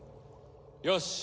よし。